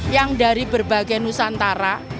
yang dari berbagai nusantara